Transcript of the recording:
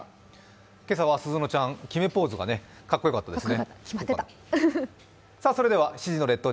今朝は、すずのちゃん決めポーズがかっこよかったですね。